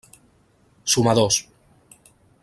Sumadors: